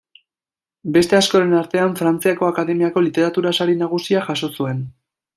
Beste askoren artean, Frantziako Akademiako literatura-sari nagusia jaso zuen.